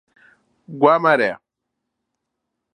Guamaré